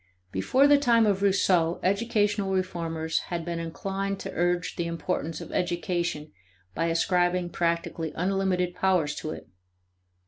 Before the time of Rousseau educational reformers had been inclined to urge the importance of education by ascribing practically unlimited power to it.